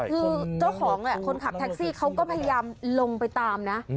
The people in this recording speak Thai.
คือเจ้าของคนขับแท็กซี่เขาก็พยายามลงไปตามนะ